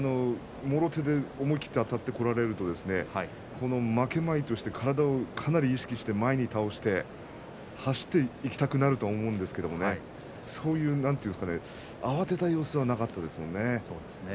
もろ手で思い切りあたってこられると、負けまいとして体をかなり意識して前に倒して走っていきたくなると思うんですけれどそういうなんて言うんでしょうか慌てた様子はなかったですよね。